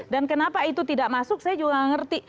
dan kenapa itu tidak masuk saya juga tidak mengerti